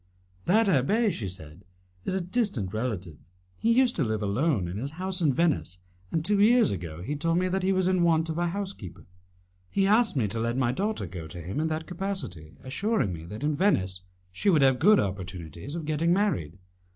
"That abbé," she said, "is a distant relative. He used to live alone in his house in Venice, and two years ago he told me that he was in want of a housekeeper. He asked me to let my daughter go to him in that capacity, assuring me that in Venice she would have good opportunities of getting married.